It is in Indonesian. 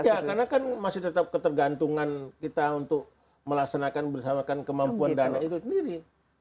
tidak karena kan masih tetap ketergantungan kita untuk melaksanakan bersamakan kemampuan dana itu sendiri